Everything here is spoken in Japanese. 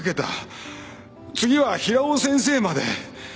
次は平尾先生まで。